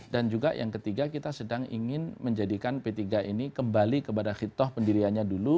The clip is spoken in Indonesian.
dan juga yang ketiga kita sedang ingin menjadikan p tiga ini kembali kepada khitoh pendiriannya dulu